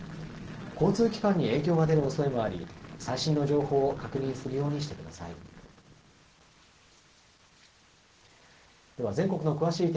交通機関に影響が出るおそれもあり、最新の情報を確認するようにしてください。